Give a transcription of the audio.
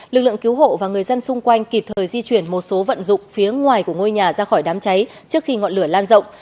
lực lượng cứu hộ và người dân xung quanh kịp thời di chuyển một số vận dụng phía ngoài của ngôi nhà ra khỏi đám cháy trước khi ngọn lửa lan rộng